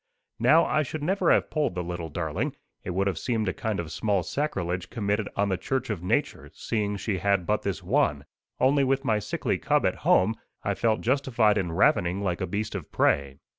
Now, I should never have pulled the little darling; it would have seemed a kind of small sacrilege committed on the church of nature, seeing she had but this one; only with my sickly cub at home, I felt justified in ravening like a beast of prey.